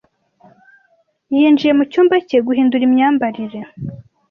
Yinjiye mu cyumba cye guhindura imyambarire.